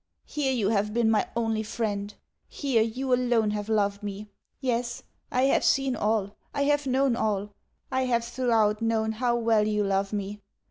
Here, you have been my only friend; here, you alone have loved me. Yes, I have seen all, I have known all I have throughout known how well you love me.